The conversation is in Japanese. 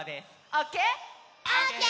オッケー！